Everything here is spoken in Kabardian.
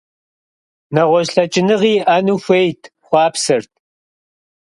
Нэгъуэщӏ лъэкӏыныгъи иӏэну хуейт, хъуапсэрт.